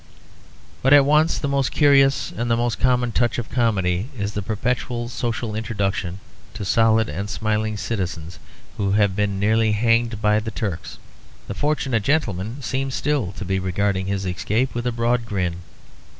But at once the most curious and the most common touch of comedy is the perpetual social introduction to solid and smiling citizens who have been nearly hanged by the Turks. The fortunate gentleman seems still to be regarding his escape with a broad grin.